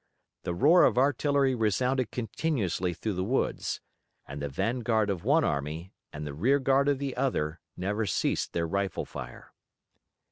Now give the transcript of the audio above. The roar of artillery resounded continuously through the woods and the vanguard of one army and the rear guard of the other never ceased their rifle fire.